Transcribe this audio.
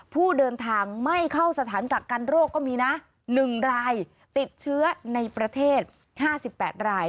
ผู้เดินทางไม่เข้าสถานกักกันโรคก็มีนะ๑รายติดเชื้อในประเทศ๕๘ราย